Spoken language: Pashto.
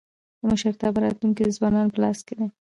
د مشرتابه راتلونکی د ځوانانو په لاس کي دی.